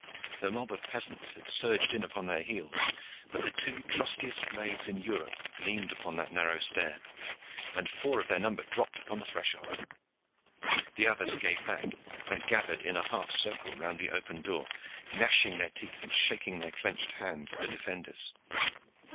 The mob of peasants had surged in upon their heels, but the two trustiest blades in Europe gleamed upon that narrow stair, and four of their number dropped upon the threshold. The others gave back, and gathered in a half circle round the open door, gnashing their teeth and shaking their clenched hands at the defenders.